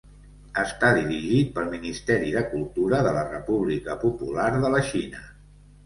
Està dirigit pel Ministeri de Cultura de la República Popular de la Xina.